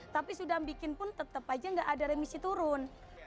tapi sudah membuat pun tetap saja tidak ada remisi turun